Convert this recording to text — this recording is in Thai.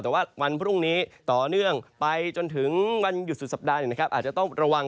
แต่ว่าวันพรุ่งนี้ต่อเนื่องไปจนถึงวันหยุดสุดสัปดาห์อาจจะต้องระวัง